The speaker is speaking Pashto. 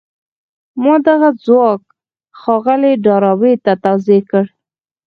ما دغه ځواک ښاغلي ډاربي ته توضيح کړ.